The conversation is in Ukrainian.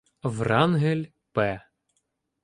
Врангель П.